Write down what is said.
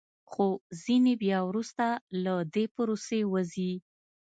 خو ځینې بیا وروسته له دې پروسې وځي